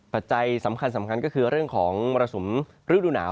ปัจจัยสำคัญสำคัญก็คือเรื่องของมรสุมฤดูหนาว